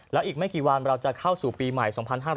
แล้วอีกไม่กี่วันเราจะเข้าสู่ปีใหม่๒๕๕๙